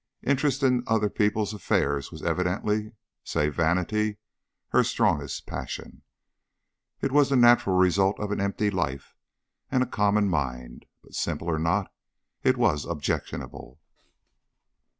Interest in other people's affairs was evidently, save vanity, her strongest passion. It was the natural result of an empty life and a common mind. But simple or not, it was objectionable.